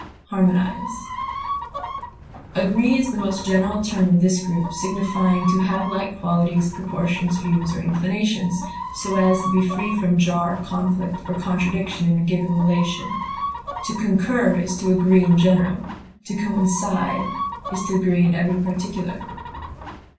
acquiesce, Agree is the most general term of this group, signifying to have like qualities, proportions, views, or inclinations, so as to be free from jar, conflict, or contradiction in a given relation. To concur is to agree in general; to coincide is to agree in every particular.